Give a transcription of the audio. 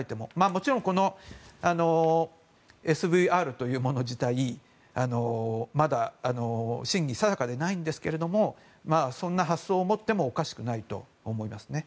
もちろん、ＳＶＲというもの自体まだ真偽定かでないんですけどそんな発想を持ってもおかしくはないと思いますね。